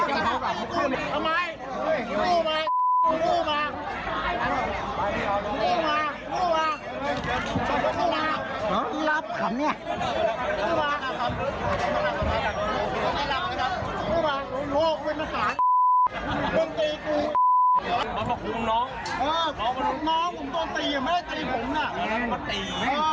รับคำนี้เมื่อกลับก็ได้